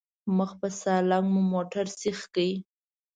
مخ په سالنګ مو موټر سيخ کړ.